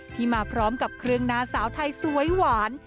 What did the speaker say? มาพร้อมกับเครื่องหน้าสาวไทยสวยหวาน